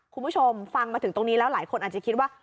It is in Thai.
คุณผู้ชมฟังมาถึงตรงนี้แล้วหลายคนอาจจะคิดว่า